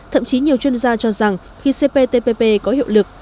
thậm chí nhiều chuyên gia cho rằng khi cptpp có hiệu lực